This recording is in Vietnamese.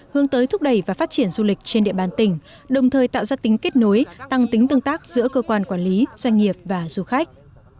hướng tới thúc đẩy và phát triển du lịch trên địa bàn tỉnh đồng thời tạo ra tính kết nối tăng tính tương tác giữa cơ quan quản lý doanh nghiệp và du khách